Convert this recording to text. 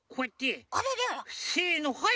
せのはい。